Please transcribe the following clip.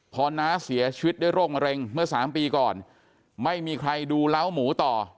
พอน้าเสียชีวิตด้วยโรคมะเร็งเมื่อสามปีก่อนไม่มีใครดูเล้าหมูต่อ